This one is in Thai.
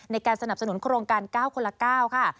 ในการสนับสนุนโครงการ๙คนละ๙ค่ะ